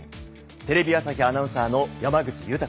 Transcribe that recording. テレビ朝日アナウンサーの山口豊です。